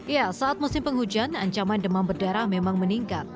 ya saat musim penghujan ancaman demam berdarah memang meningkat